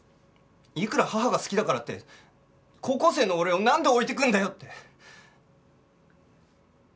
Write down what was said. いくら母が好きだからって高校生の俺をなんで置いていくんだよって。